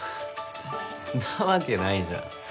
なわけないじゃん